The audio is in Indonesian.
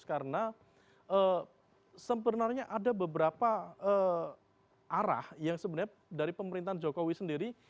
karena sebenarnya ada beberapa arah yang sebenarnya dari pemerintahan jokowi sendiri